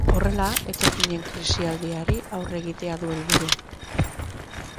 Horrela, etorkinen krisialdiari aurre egitea du helburu.